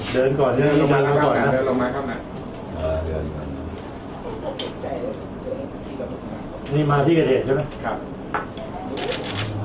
เดินก่อนนี่มาที่กระเทศใช่ไหม